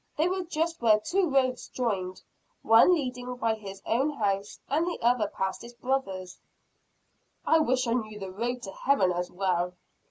They were just where two roads joined, one leading by his own house, and the other past his brother's. "I wish I knew the road to heaven as well."